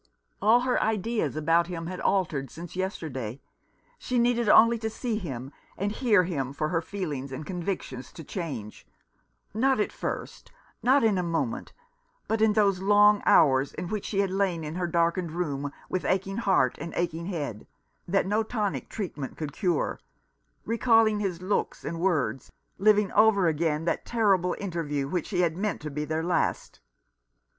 All her ideas about him had altered since 1 08 A Death blow. yesterday. She needed only to see him and hear him for her feelings and convictions to change ; not at first, not in a moment, but in those long hours in which she had lain in her darkened room, with aching heart and aching head, that no tonic treatment could cure, recalling his looks and words, living over again that terrible interview which she had meant to be their last.